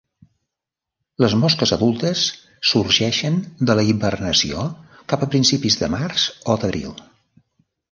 Les mosques adultes sorgeixen de la hibernació cap a principis de març o d'abril.